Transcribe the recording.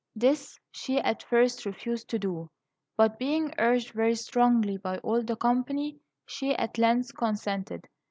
This she at first refused to do, but being urged very strongly by all the company, she at length consented.